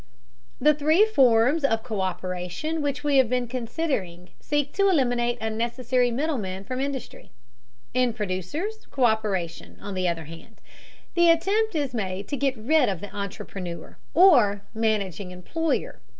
The three forms of co÷peration which we have been considering seek to eliminate unnecessary middlemen from industry. In producers' co÷peration, on the other hand, the attempt is made to get rid of the entrepreneur, or managing employer.